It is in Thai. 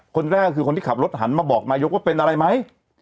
คนแรกคือคนที่ขับรถหันมาบอกนายกว่าเป็นอะไรไหม